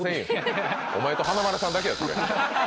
お前と華丸さんだけや！